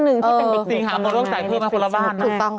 จริงไม่ต้องหากเพิ่มให้คนละบ้านนะ